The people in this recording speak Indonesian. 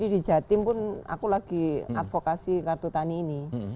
di jatim pun aku lagi advokasi kartu tani ini